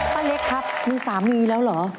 เล็กครับมีสามีแล้วเหรอ